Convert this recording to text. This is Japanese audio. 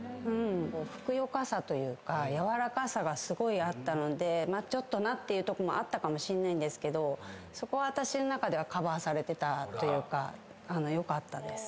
ふくよかさというかやわらかさがすごいあったのでちょっとなっていうとこもあったかもしれないんですけどそこは私の中ではカバーされてたというかよかったです。